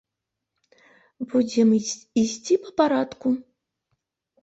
Будзем ісці па парадку.